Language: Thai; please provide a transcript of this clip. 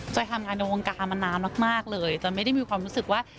ทำงานในวงการมานานมากเลยจอยไม่ได้มีความรู้สึกว่า